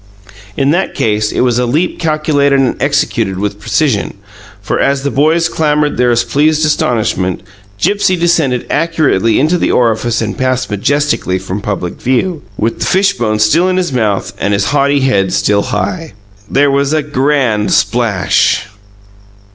In that case, it was a leap calculated and executed with precision, for as the boys clamoured their pleased astonishment, Gipsy descended accurately into the orifice and passed majestically from public view, with the fishbone still in his mouth and his haughty head still high. There was a grand splash!